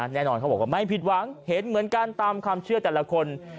แน่นอนเขาบอกว่าไม่ผิดหวังเห็นเหมือนกันตามความเชื่อแต่ละคน